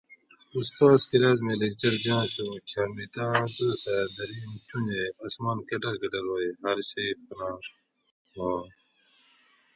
اُستاد کلاس مئ لیکچر دیاںش اُوں کھیامتاۤں دوسہ درین چۤنجیٔ آسمان کۤٹر کۤٹر ہوئی ھر شیٔ فنا ہواں